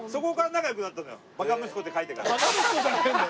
バカ息子って書いてから。